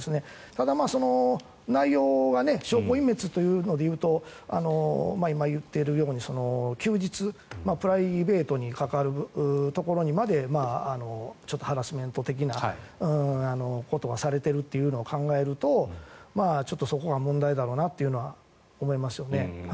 ただ、内容が証拠隠滅ということでいうと今、言っているように休日、プライベートにかかるところにまでちょっとハラスメント的なことはされているというのを考えるとそこは問題だろうなと思いますよね。